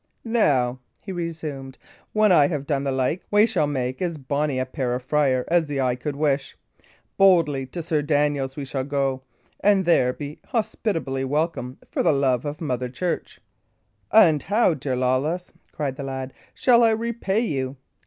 "Now," he resumed, "when I have done the like, we shall make as bonny a pair of friars as the eye could wish. Boldly to Sir Daniel's we shall go, and there be hospitably welcome for the love of Mother Church." "And how, dear Lawless," cried the lad, "shall I repay you?"